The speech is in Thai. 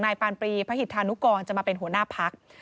ปานปรีพระหิตธานุกรจะมาเป็นหัวหน้าพัก